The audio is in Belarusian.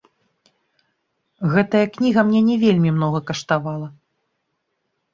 Гэтая кніга мне не вельмі многа каштавала.